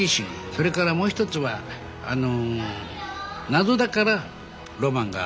それからもう一つは謎だからロマンがあると。